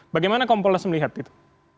bagaimana kompolnas melihat itu